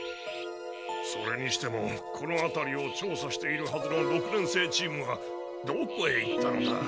それにしてもこのあたりを調査しているはずの六年生チームはどこへ行ったのだ？